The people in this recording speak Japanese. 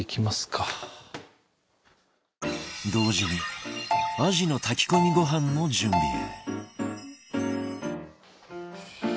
同時にアジの炊き込みご飯の準備へ